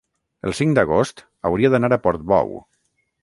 el cinc d'agost hauria d'anar a Portbou.